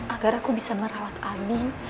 agar aku bisa merawat ani